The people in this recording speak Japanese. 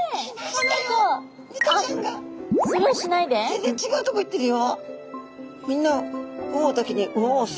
全然違うとこ行ってるよ。